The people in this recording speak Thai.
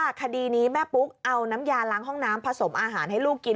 คดีนี้แม่ปุ๊กเอาน้ำยาล้างห้องน้ำผสมอาหารให้ลูกกิน